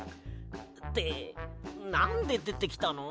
ってなんででてきたの？